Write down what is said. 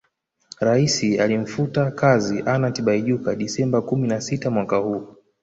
Rais alimfuta kazi Anna Tibaijuka Desemba kumi na sita mwaka huu